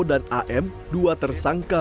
dan am dua tersangka